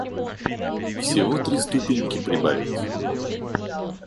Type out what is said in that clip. Всего три ступеньки прибавить.